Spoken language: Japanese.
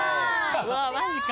うわマジか！